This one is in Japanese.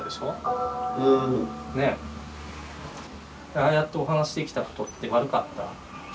ああやってお話しできたことって悪かった？